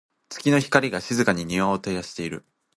月の光が、静かに庭を照らしている。